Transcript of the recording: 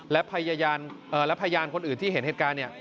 และพยายามคนอื่นที่เห็นเหตุการณ์